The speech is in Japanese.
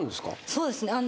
そうですね。